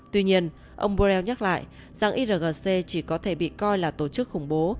tuy nhiên ông borrell nhắc lại rằng irgc chỉ có thể bị coi là tổ chức khủng bố